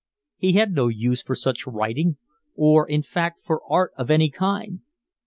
He had no use for such writing, or in fact for art of any kind.